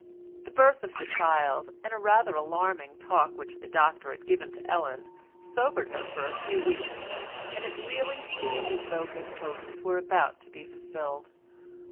The birth of the child, and a rather alarming talk which the doctor had given to Ellen sobered her for a few weeks, and it really seemed as though his hopes were about to be fulfilled.